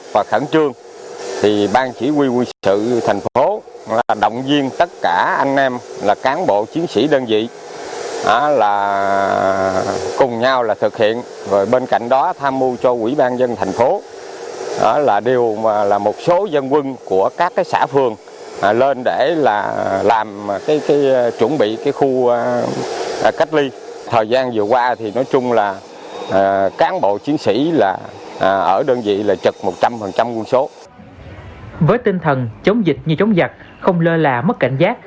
với tinh thần chống dịch như chống giặc không lơ là mất cảnh giác